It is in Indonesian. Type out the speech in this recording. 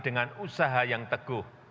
dengan usaha yang teguh